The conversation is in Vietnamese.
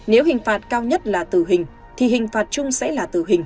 nếu hình phạt cao nhất là tử hình thì hình phạt chung sẽ là tử hình